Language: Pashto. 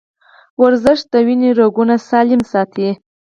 ورزش د وینې رګونه سالم ساتي.